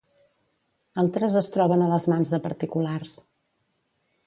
Altres es troben a les mans de particulars.